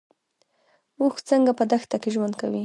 اوښ څنګه په دښته کې ژوند کوي؟